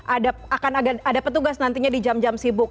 ada akan ada petugas nantinya di jam jam sibuk